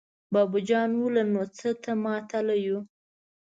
بابو جان وويل: نو څه ته ماتله يو!